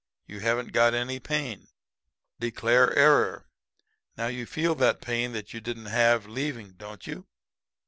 You haven't got any pain. Declare error. Now you feel the pain that you didn't have leaving, don't you?'